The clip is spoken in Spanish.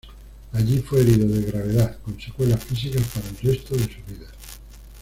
Allí fue herido de gravedad, con secuelas físicas para el resto de su vida.